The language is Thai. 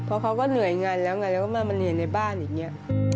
พอเขาก็เหนื่อยงานแล้วมันเหนื่อยในบ้านอย่างนี้